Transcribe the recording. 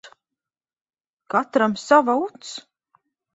Katram sava uts.